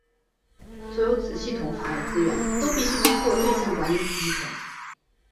所有子系统访问资源都必须通过对象管理子系统。